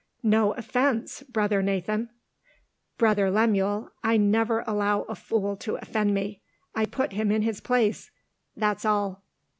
"No offence, brother Nathan!" "Brother Lemuel, I never allow a fool to offend me. I put him in his place that's all."